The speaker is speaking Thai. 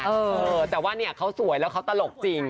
เออแต่ว่าเนี่ยเขาสวยแล้วเขาตลกจริง